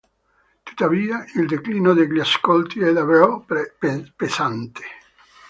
Tuttavia il declino degli ascolti è davvero pesante.